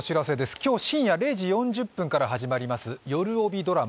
今日深夜０時４０分から始まりますよるおびドラマ「